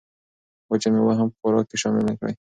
وچه مېوه هم په خوراک کې شامله کړئ.